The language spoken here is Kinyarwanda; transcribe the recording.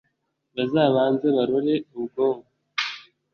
Bazabanze barore ubwonko